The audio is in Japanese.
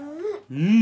うん。